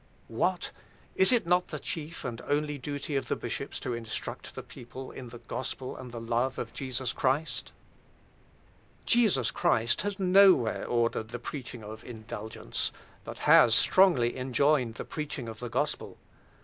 What! Is it not the chief and only duty of bishops to instruct the people in the gospel and the love of Jesus Christ? Jesus Christ has nowhere ordered the preaching of indulgence; but has strongly enjoined the preaching of the gospel.